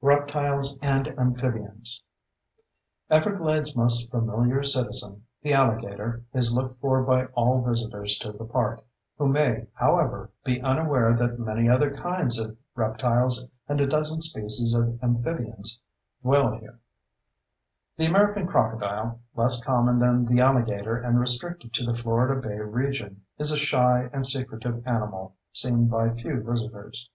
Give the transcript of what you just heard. Reptiles and Amphibians Everglades' most famous citizen—the alligator—is looked for by all visitors to the park, who may, however, be unaware that many other kinds of reptiles and a dozen species of amphibians dwell here. The American crocodile, less common than the alligator and restricted to the Florida Bay region, is a shy and secretive animal seen by few visitors.